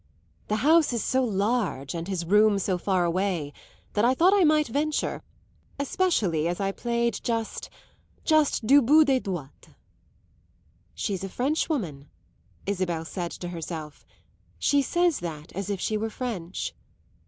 "The house is so large and his room so far away that I thought I might venture, especially as I played just just du bout des doigts." "She's a Frenchwoman," Isabel said to herself; "she says that as if she were French."